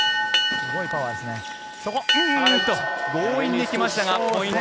すごいパワーですね。